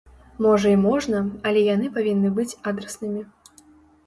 Можа і можна, але яны павінны быць адраснымі.